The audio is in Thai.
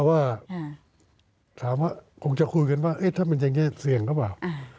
ว่าถามว่าคงจะคุยกันว่าถ้ามันอย่างนี้เสี่ยงหรือเปล่า